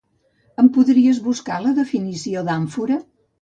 Em podries buscar la definició d'àmfora?